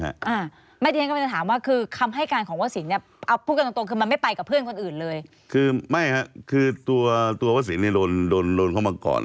ไม่ทีนั้นก็จะถามว่าคือคำให้การของว่าสิน